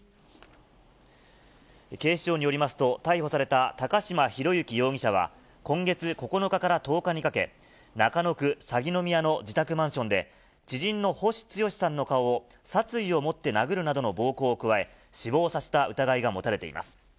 警視庁によりますと、逮捕された高島裕之容疑者は、今月９日から１０日にかけ、中野区鷺宮の自宅マンションで、知人の星毅さんの顔を殺意を持って殴るなどの暴行を加え、死亡させた疑いが持たれています。